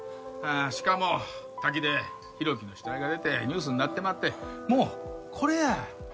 しかも滝で浩喜の死体が出てニュースになってまってもうこれや。